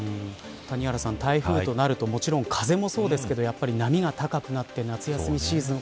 谷原さん、台風となるともちろん風もそうですが波が高くなって、夏休みシーズン